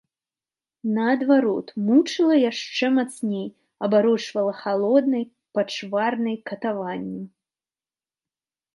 Наадварот, мучыла яшчэ мацней, абарочвалася халоднай, пачварнай катаваннем.